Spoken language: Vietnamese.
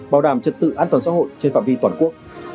bảo đảm trật tự an toàn xã hội trên phạm vi toàn quốc